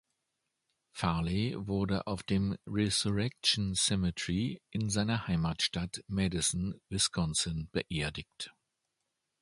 Farley wurde auf dem Resurrection Cemetery in seiner Heimatstadt Madison, Wisconsin, beerdigt.